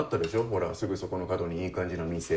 ほらすぐそこの角にいい感じの店。